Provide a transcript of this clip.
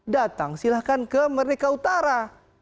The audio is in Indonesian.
datang silahkan ke merdeka utara